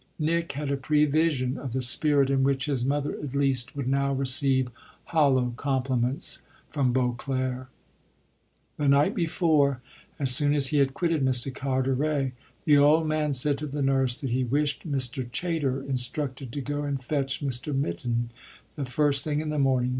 Nick had a prevision of the spirit in which his mother at least would now receive hollow compliments from Beauclere. The night before, as soon as he had quitted Mr. Carteret, the old man said to the nurse that he wished Mr. Chayter instructed to go and fetch Mr. Mitton the first thing in the morning.